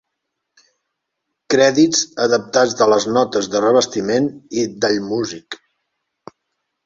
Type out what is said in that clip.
Crèdits adaptats de les notes de revestiment i d'Allmusic.